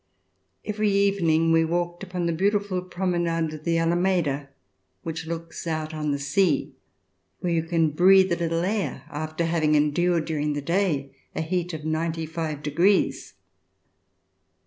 Every evening we walked upon the beautiful prome nade of L'Alameda, which looks out on the sea, where you can breathe a little air after having endured during the day a heat of 95 degrees.